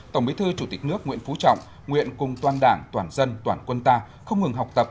tổng bí thư chủ tịch nước nguyễn phú trọng nguyện cùng toàn đảng toàn dân toàn quân ta không ngừng học tập